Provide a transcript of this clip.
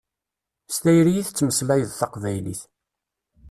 S tayri i tettmeslayeḍ taqbaylit.